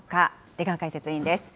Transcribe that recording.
出川解説委員です。